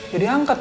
jadi angkat bu